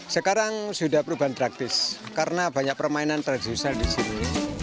sekarang sudah perubahan praktis karena banyak permainan tradisional di sini